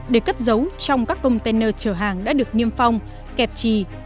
để cất giấu trong các container chở hàng đã được niêm phong kẹp trì